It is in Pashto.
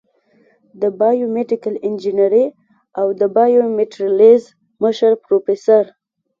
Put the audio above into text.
د بایو میډیکل انجینرۍ او بایومیټریلز مشر پروفیسر